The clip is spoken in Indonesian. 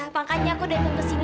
makanya aku datang kesini